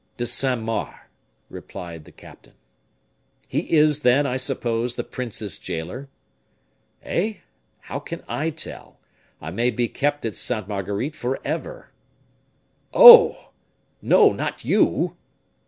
"De Saint Mars," replied the captain. "He is, then, I suppose, the prince's jailer?" "Eh! how can I tell? I may be kept at Sainte Marguerite forever." "Oh! no, not you!"